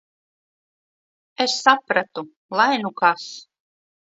Es sapratu - lai nu kas.